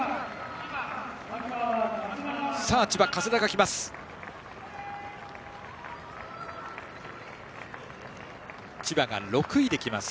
千葉、加世田が来ます。